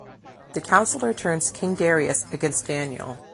The counsellor turns King Darius against Daniel.